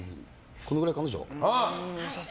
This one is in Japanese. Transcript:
このぐらいかな。